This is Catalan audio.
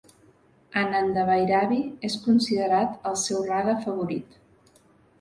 Anandabhairavi és considerat el seu raga favorit.